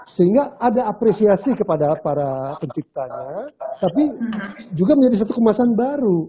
sehingga ada apresiasi kepada para penciptanya tapi juga menjadi satu kemasan baru